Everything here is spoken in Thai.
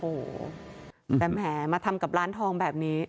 โอ้โหแต่แหมมาทำกับร้านทองแบบนี้